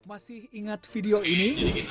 masih ingat video ini